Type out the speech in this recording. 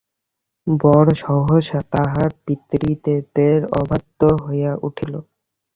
বর সহসা তাহার পিতৃদেবের অবাধ্য হইয়া উঠিল।